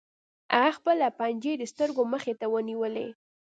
هغه خپلې پنجې د سترګو مخې ته ونیولې